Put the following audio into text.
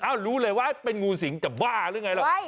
รู้เลยว่าเป็นงูสิงจะบ้าหรือไงล่ะ